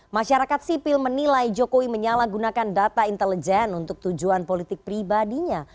masyarakat sipil menilai jokowi menyalahgunakan data intelijen untuk tujuan politik pribadinya